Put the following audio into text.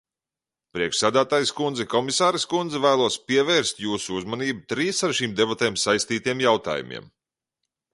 Priekšsēdētājas kundze, komisāres kundze, vēlos pievērst jūsu uzmanību trīs ar šīm debatēm saistītiem jautājumiem.